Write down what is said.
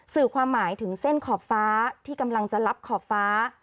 สื่อความหมายถึงเส้นขอบฟ้าที่กำลังจะรับขอบฟ้า